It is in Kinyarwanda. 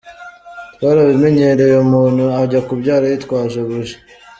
Twarabimenyereye, umuntu ajya kubyara yitwaje buji.